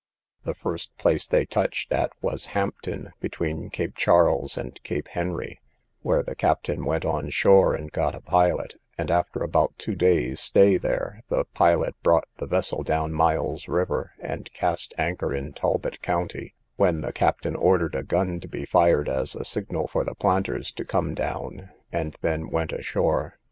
The first place they touched at was Hampton, between Cape Charles and Cape Henry, where the captain went on shore and got a pilot; and after about two days stay there, the pilot brought the vessel down Mile's River, and cast anchor in Talbot county, when the captain ordered a gun to be fired as a signal for the planters to come down, and then went ashore.